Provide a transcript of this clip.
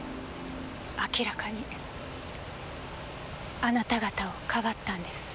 明らかにあなた方をかばったんです。